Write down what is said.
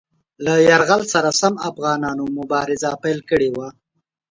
له یرغل سره سم افغانانو مبارزه پیل کړې وه.